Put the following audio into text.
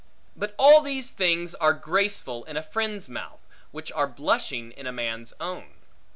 But all these things are graceful, in a friend's mouth, which are blushing in a man's own.